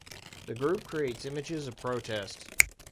The group creates images of protest.